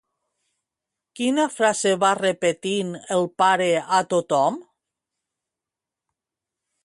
Quina frase va repetint el pare a tothom?